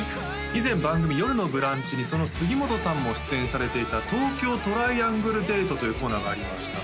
以前番組「よるのブランチ」にその杉本さんも出演されていた「東京トライアングルデート」というコーナーがありました